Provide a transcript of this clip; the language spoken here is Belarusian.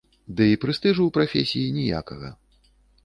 Ды і прэстыжу ў прафесіі ніякага.